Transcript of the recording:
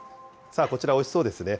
こちら、おいしそうですね。